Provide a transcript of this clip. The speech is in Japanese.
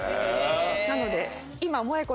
なので今。